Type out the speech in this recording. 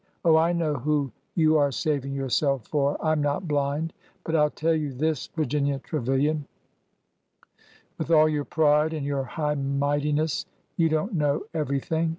Oh, I know who you are saving yourself for 1 I 'm not blind ! But I 'll tell you this, Virginia Trevilian, — with all your pride and your high mightiness, you don't know every thing!